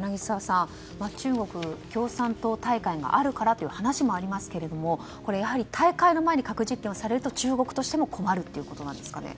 柳澤さん、中国共産党大会があるからという話もありますが大会の前に核実験をされると中国としても困るということなんですかね。